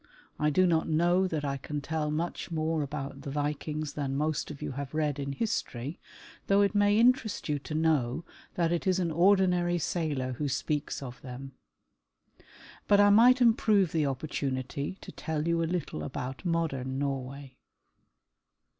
I do not know that I can tell much more about the Vikings than most of you have read in history, though it may interest you to know that it is an ordinary sailor who speaks of them. But I might improve the opportunity to tell you a little about modern Norway.